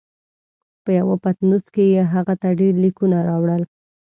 په یوه پتنوس کې یې هغه ته ډېر لیکونه راوړل.